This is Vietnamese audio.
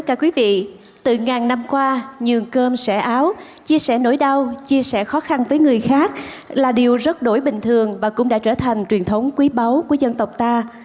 chia sẻ áo chia sẻ nỗi đau chia sẻ khó khăn với người khác là điều rất đổi bình thường và cũng đã trở thành truyền thống quý báu của dân tộc ta